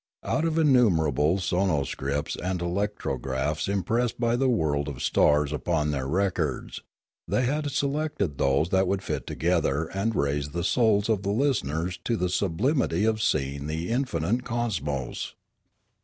Out of innumerable sonoscripts and electrographs impressed by the world of stars upon their records, they had selected those that would fit together and raise the souls of the listeners to the sublimity of seeing the infinite cosmos.